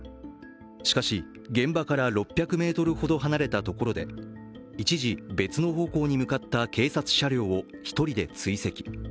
しかし、現場から６００ｍほど離れたところで、一時別の方向に向かった警察車両を１人で追跡。